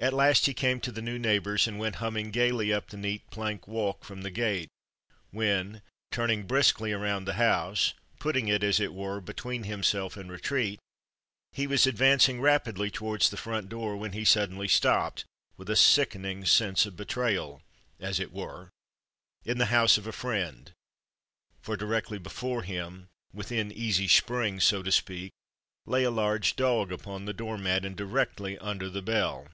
At last he came to the new neighbor's, and went humming gayly up the neat plank walk from the gate, when, turning briskly around the house putting it, as it were, between himself and retreat he was advancing rapidly towards the front door when he suddenly stopped, with a sickening sense of betrayal, as it were, in the house of a friend, for directly before him, within easy spring, so to speak, lay a large dog upon the door mat and directly under the bell.